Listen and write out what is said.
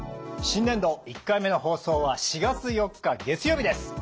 新年度１回目の放送は４月４日月曜日です。